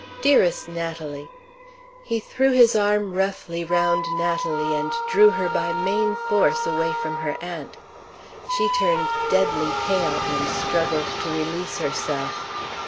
Dearest Natalie!" He threw his arm roughly round Natalie, and drew her by main force away from her aunt. She turned deadly pale, and struggled to release herself.